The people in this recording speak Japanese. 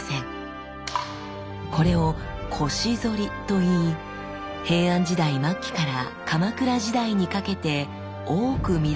これを「腰反り」といい平安時代末期から鎌倉時代にかけて多く見られた特徴です。